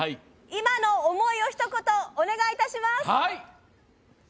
今の思いをひと言お願いします。